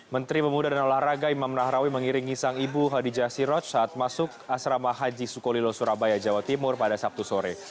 menteri pemuda dan olahraga imam nahrawi mengiringi sang ibu hadijah siroj saat masuk asrama haji sukolilo surabaya jawa timur pada sabtu sore